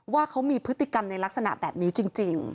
ว่าเขามีพฤติกรรมในลักษณะแบบนี้จริง